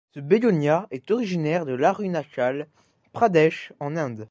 Ce bégonia est originaire de l'Arunachal Pradesh, en Inde.